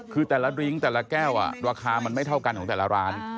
คือแต่ละดิ้งแต่ละแก้วราคามันไม่เท่ากันของแต่ละร้าน